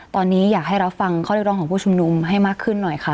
ตอนนี้อยากให้รับฟังข้อเรียกร้องของผู้ชุมนุมให้มากขึ้นหน่อยค่ะ